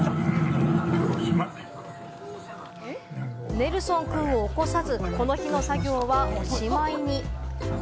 ネルソンくんを起こさず、この日の作業はおしまいに。